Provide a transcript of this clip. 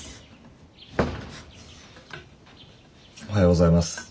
おはようございます。